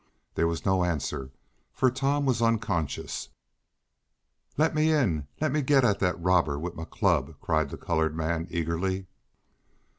There was no answer, for Tom was unconscious. "Let me in! Let me git at dat robber wif mah club!" cried the colored man eagerly.